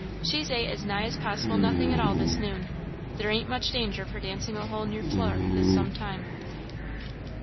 She's ate as nigh as possible nothing at all this noon. There ain't much danger of her dancing a hole in your floor this some time."